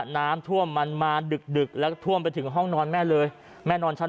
น้ำท่วมมันมาดึกดึกแล้วก็ท่วมไปถึงห้องนอนแม่เลยแม่นอนชั้น